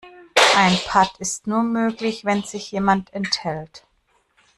Ein Patt ist nur möglich, wenn sich jemand enthält.